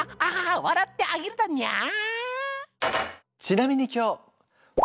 笑ってあげるだにゃー。